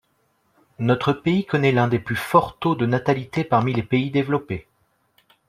Notre pays connaît l’un des plus forts taux de natalité parmi les pays développés.